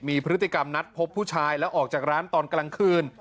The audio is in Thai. มีพฤติกรรมนัดพบผู้ชายแล้วออกจากร้านตอนกลางคืน